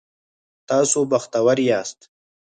تاسو بختور یاست